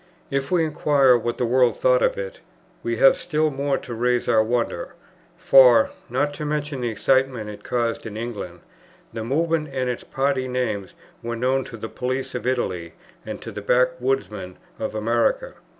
If we inquire what the world thought of it, we have still more to raise our wonder; for, not to mention the excitement it caused in England, the Movement and its party names were known to the police of Italy and to the back woodmen of America.